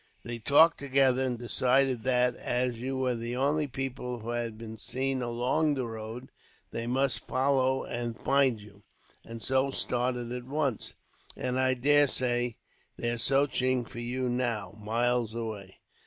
"They talked together and decided that, as you were the only people who had been seen along the road, they must follow and find you; and so started at once, and I daresay they're searching for you now, miles away."